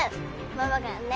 ママがね